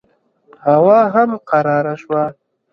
هوا هم قراره شوه.